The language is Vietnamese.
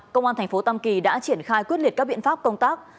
công an tp tâm kỳ đã triển khai quyết liệt các biện pháp công tác